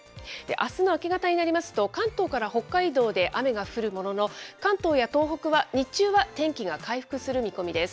あすの明け方になりますと、関東から北海道で雨が降るものの、関東や東北は日中は天気が回復する見込みです。